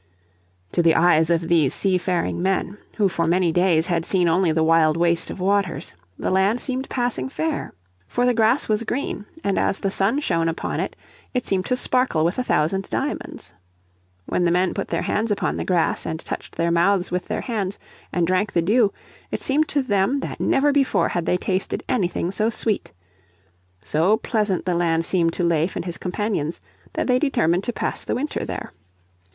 To the eyes of these sea faring men, who for many days had seen only the wild waste of waters, the land seemed passing fair. For the grass was green, and as the sun shone upon it seemed to sparkle with a thousand diamonds. When the men put their hands upon the grass, and touched their mouths with their hands, and drank the dew, it seemed to them that never before had they tasted anything so sweet. So pleasant the land seemed to Leif and his companions that they determined to pass the winter there.